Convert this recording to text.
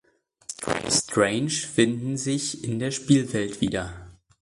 Strange finden sich in der Spielwelt wieder.